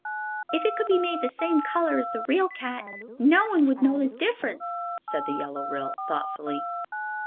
"If it could be made the same color as the real cat, no one would know the difference," said the Yellow Ryl, thoughtfully.